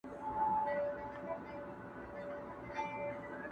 وږي نس ته یې لا ښکار نه وو میندلی!!